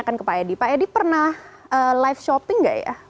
pak edi pernah live shopping gak ya